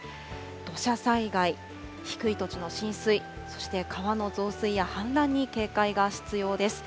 土砂災害、低い土地の浸水、そして川の増水や氾濫に警戒が必要です。